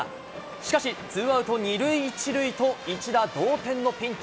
しかし、ツーアウト２塁１塁と、一打同点のピンチ。